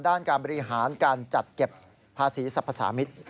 ด้านการบริหารการจัดเก็บภาษีสรรพสามิตร